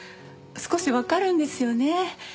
少しわかるんですよね。